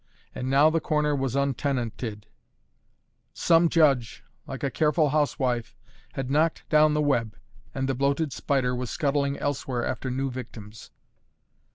And now the corner was untenanted; some judge, like a careful housewife, had knocked down the web, and the bloated spider was scuttling elsewhere after new victims.